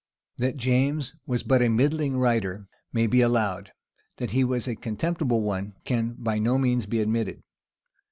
That James was but a middling writer, may be allowed: that he was a contemptible one, can by no means be admitted.